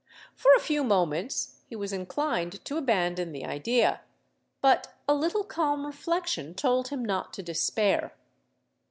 For a few moments he was inclined to abandon the idea: but a little calm reflection told him not to despair.